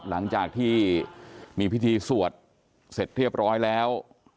หลังจากที่มีพิธีสวดเสร็จเรียบร้อยแล้ว